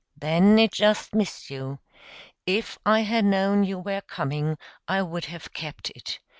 "Then it just missed you. If I had known you were coming I would have kept it.